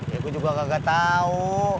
ya gue juga gak tau